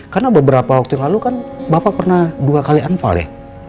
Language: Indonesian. karena beberapa waktu yang lalu kan bapak pernah dua kali anfal ya